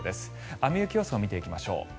雨・雪予想を見ていきましょう。